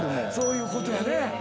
そういうことやね。